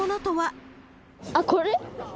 あっこれ？